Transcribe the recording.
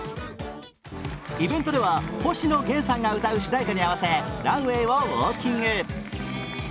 イベントでは、星野源さんが歌う主題歌に合わせ、ランウェイをウォーキング。